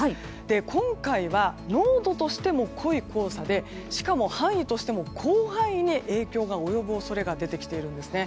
今回は、濃度としても濃い黄砂でしかも、範囲としても広範囲に影響が及ぶ恐れが出てきているんですね。